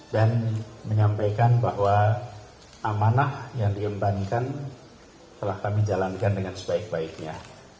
dan menyampaikan bahwa amanah yang dikembangkan telah kami jalankan dengan sebaik baiknya